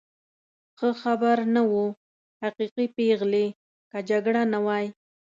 ښه خبر نه و، حقیقي پېغلې، که جګړه نه وای.